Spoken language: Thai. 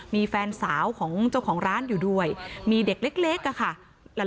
มีแฟนสาวของเจ้าของร้านอยู่ด้วยมีเด็กเล็กอะค่ะ